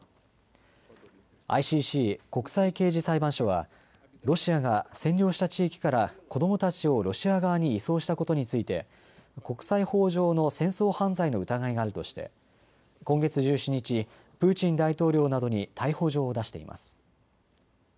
ＩＣＣ・国際刑事裁判所はロシアが占領した地域から子どもたちをロシア側に移送したことについて国際法上の戦争犯罪の疑いがあるとして今月１７日、プーチン大統領などに逮捕状を出しています。